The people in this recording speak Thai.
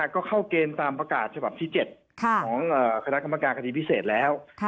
ก็เข้าเกณฑ์ตามประกาศฉบับที่๗ของคณะกรรมการคดีพิเศษแล้ว